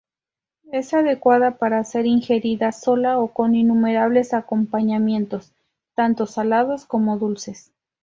Es adecuada para ser ingerida sola o con innumerables acompañamientos, tanto salados como dulces.